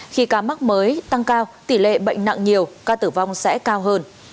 khi ca mắc mới tăng cao tỷ lệ bệnh nặng nhiều ca tử vong sẽ cao hơn